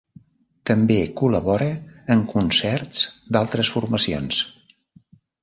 També col·labora en concerts d'altres formacions.